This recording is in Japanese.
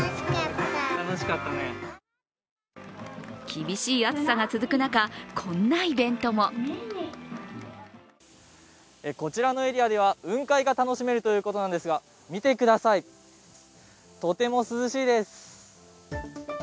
厳しい暑さが続く中こんなイベントもこちらのエリアでは雲海が楽しめるということなんですが見てください、とても涼しいです。